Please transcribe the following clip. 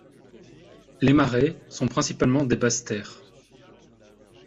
Les marais sont principalement des basses terres.